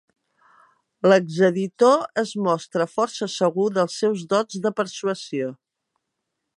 L'exeditor es mostra força segur dels seus dots de persuasió.